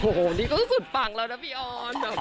โฮนี่ก็สุดฝังแล้วนะพี่อ่อน